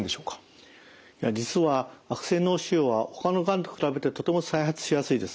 いや実は悪性脳腫瘍はほかのがんと比べてとても再発しやすいです。